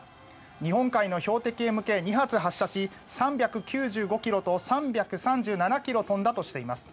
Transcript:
日本海の標的へ向け２発発射し３９５ｋｍと３３７ｋｍ飛んだとしています。